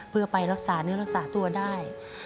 เพื่อไปรักษาเนื้อรักษาตัวได้